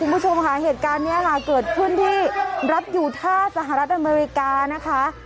คุณผู้ชมค่ะเหตุการณ์นี้ค่ะเกิดขึ้นที่รัฐอยู่ท่าสหรัฐอเมริกานะคะ